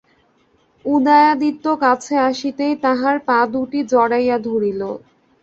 উদয়াদিত্য কাছে আসিতেই তাঁহার পা দুটি জড়াইয়া ধরিল।